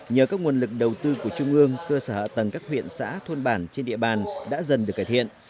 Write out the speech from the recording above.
nhờ các nguồn lực đầu tư của trung ương cơ sở hạ tầng các huyện xã thôn bản trên địa bàn đã dần được cải thiện